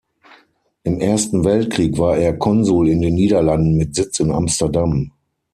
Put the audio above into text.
Im Ersten Weltkrieg war er Konsul in den Niederlanden mit Sitz in Amsterdam.